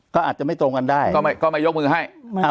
ก็อาจจะไม่ตรงกันได้ก็ไม่ยกมือให้